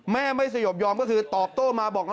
แม่ไม่สยบยอมก็คือตอบโต้มาบอก